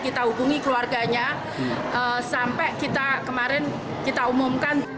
kita hubungi keluarganya sampai kita kemarin kita umumkan